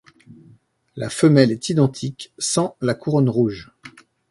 La femelle est identique sans la couronne rouge.